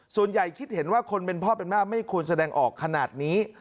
คิดเห็นว่าคนเป็นพ่อเป็นแม่ไม่ควรแสดงออกขนาดนี้